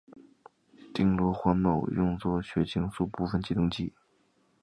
丁螺环酮用作血清素部分激动剂。